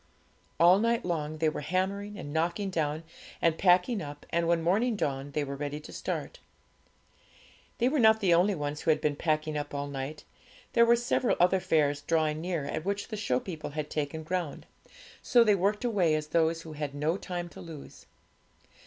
All night long they were hammering, and knocking down, and packing up, and when morning dawned they were ready to start. They were not the only ones who had been packing up all night. There were several other fairs drawing near, at which the show people had taken ground; so they worked away as those who had no time to lose.